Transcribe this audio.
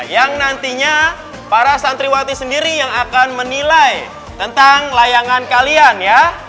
yang nantinya para santriwati sendiri yang akan menilai tentang layangan kalian ya